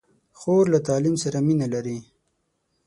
خور له تعلیم سره مینه لري.